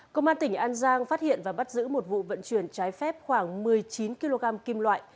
công an tỉnh an giang phát hiện và bắt giữ một vụ vận chuyển trái phép khoảng một mươi chín kg kim loại